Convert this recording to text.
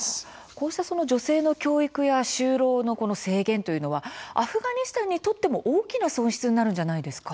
こうした女性の教育や就労の制限というのはアフガニスタンにとっても大きな損失になるんじゃないですか？